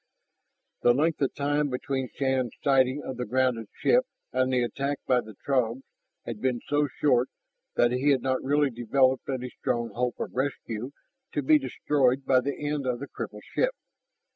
The length of time between Shann's sighting of the grounded ship and the attack by the Throgs had been so short that he had not really developed any strong hope of rescue to be destroyed by the end of the crippled ship.